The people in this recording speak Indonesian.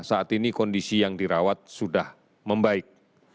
saat ini kondisi yang dirawat sudah membaik